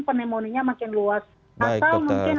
pneumonia makin luas atau mungkin